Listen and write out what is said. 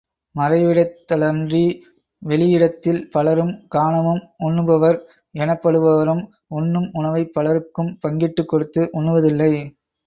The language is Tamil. மறைவிடத்திலன்றி வெளியிடத்தில் பலரும் காணவும் உண்ணுபவர் எனப்படுபவரும் உண்ணும், உணவைப் பலருக்கும் பங்கிட்டுக் கொடுத்து உண்ணுவதில்லை.